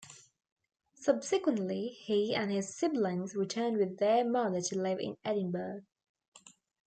Subsequently, he and his siblings returned with their mother to live in Edinburgh.